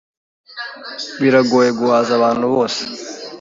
Biragoye guhaza abantu bose.